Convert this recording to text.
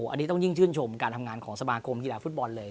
อันนี้ต้องยิ่งชื่นชมการทำงานของสมาคมกีฬาฟุตบอลเลย